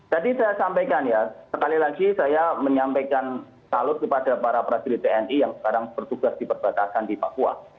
jadi saya sampaikan ya sekali lagi saya menyampaikan salus kepada para presidio tni yang sekarang bertugas di perbatasan di papua